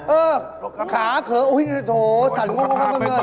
เออขาเขาโถสั่นง่วงเข้ามาเมื่อเมื่อ